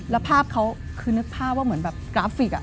แล้วภาพเขาคือนึกภาพว่าเหมือนแบบกราฟิก